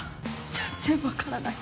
全然分からない